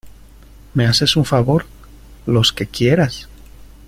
¿ me haces un favor? los que quieras.